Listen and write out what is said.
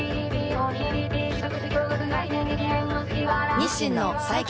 日清の最強